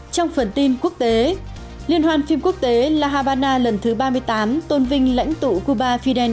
trong phần tin quốc tế liên hoàn phim quốc tế la habana lần thứ ba mươi tám tôn vinh lãnh tụ cuba fidel